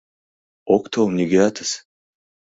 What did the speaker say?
Ок тол нигӧатыс.